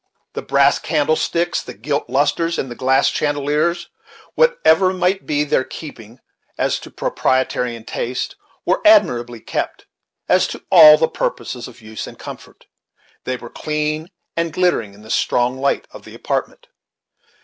The brass candlesticks, the gilt lustres, and the glass chandeliers, whatever might be their keeping as to propriety and taste, were admirably kept as to all the purposes of use and comfort. They were clean and glittering in the strong light of the apartment.